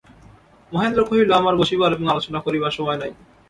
মহেন্দ্র কহিল, আমার বসিবার এবং আলোচনা করিবার সময় নাই।